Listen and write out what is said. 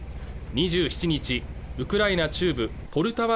２７日ウクライナ中部ポルタワ